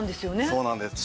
そうなんです。